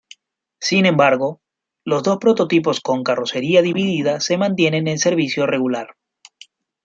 Sin embargo, los dos prototipos con carrocería dividida se mantienen en servicio regular.